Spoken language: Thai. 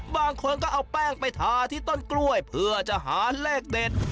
บางคนก็เอาแป้งไปทาที่ต้นกล้วยเพื่อจะหาเลขเด็ด